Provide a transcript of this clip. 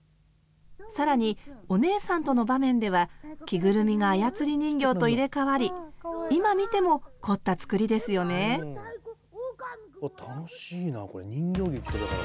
更にお姉さんとの場面では着ぐるみが操り人形と入れ代わり今見ても凝った作りですよねうわ